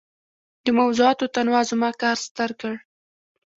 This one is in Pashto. د موضوعاتو تنوع زما کار ستر کړ.